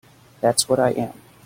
That's what I am.